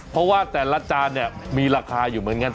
เพราะว่าแต่ละจานเนี่ยมีราคาอยู่เหมือนกัน